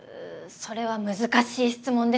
それは難しい質問ですね。